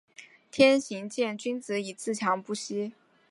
天行健，君子以不强自……自强不息。